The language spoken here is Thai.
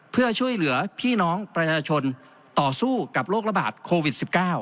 เพื่อช่วยเหลือพี่น้องประชาชนต่อสู้กับโรคระบาดโควิด๑๙